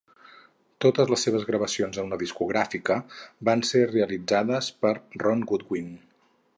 Totes les seves gravacions amb la discogràfica van ser realitzades per Ron Goodwin.